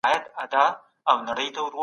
ولي تاسو په دي برخه کي کار کوئ؟